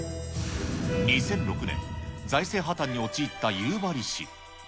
２００６年、財政破綻に陥った夕張市。